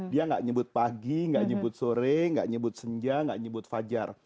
dia nggak nyebut pagi gak nyebut sore nggak nyebut senja gak nyebut fajar